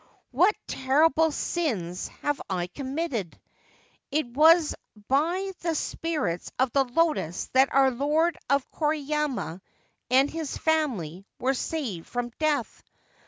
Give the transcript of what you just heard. What terrible sin have I committed ? It was by the spirits of the lotus that our Lord of Koriyama and his family were saved from death